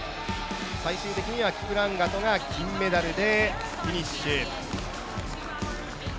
最終的にはキプランガトが金メダルでフィニッシュ。